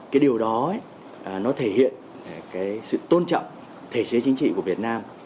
cái điều đó nó thể hiện cái sự tôn trọng thể chế chính trị của việt nam